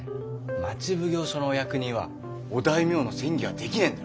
町奉行所のお役人はお大名の詮議はできねえんだ。